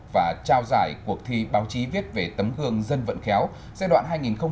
và trao giải cuộc thi báo chí viết về tấm gương dân vận khéo giai đoạn hai nghìn một mươi sáu hai nghìn hai mươi